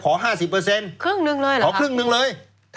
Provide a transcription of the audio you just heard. ครึ่งหนึ่งเลยหรือครับขอครึ่งหนึ่งเลย